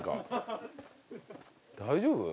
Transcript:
大丈夫？